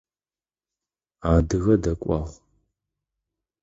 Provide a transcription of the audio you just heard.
Адыгэ дакӏуагъ.